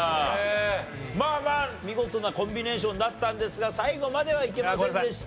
まあまあ見事なコンビネーションだったんですが最後まではいけませんでした。